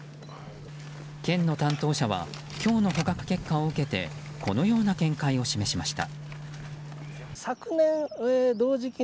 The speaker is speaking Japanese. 県の担当者は今日の捕獲結果を受けてこのような見解を示しました。